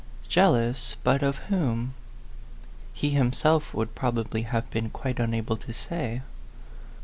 Jealous but of whom? He himself would probably have been quite unable to say.